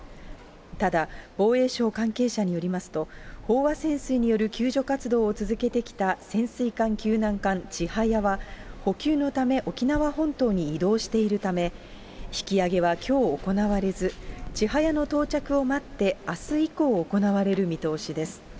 ただ、防衛省関係者によりますと、飽和潜水による救助活動を続けてきた潜水艦救難艦ちはやは、補給のため沖縄本島に移動しているため、引き揚げはきょう行われず、ちはやの到着を待って、あす以降、行われる見通しです。